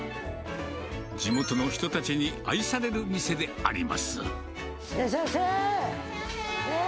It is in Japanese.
地元の人たちに愛される店でありいらっしゃいませ。